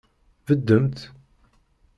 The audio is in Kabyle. Beddemt!